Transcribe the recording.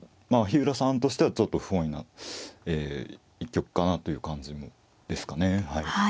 日浦さんとしてはちょっと不本意な一局かなという感じですかねはい。